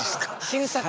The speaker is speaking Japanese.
新作。